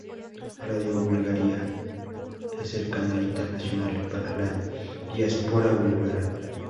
Radio Bulgaria es el canal internacional para la diáspora búlgara.